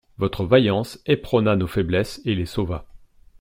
Votre vaillance éperonna nos faiblesses et les sauva!